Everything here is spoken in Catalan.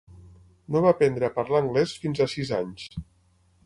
No va aprendre a parlar anglès fins a sis anys.